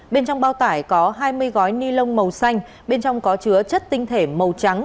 bên trong bao tải có hai mươi gói ni lông màu xanh bên trong có chứa chất tinh thể màu trắng